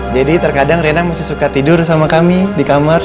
jadi terkadang reina masih suka tidur sama kami di kamar